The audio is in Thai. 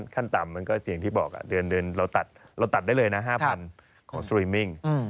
ขั้นต่ำมันก็อย่างที่บอกเดือนเราตัดเราตัดได้เลยนะ๕๐๐ของสตรีมมิ่ง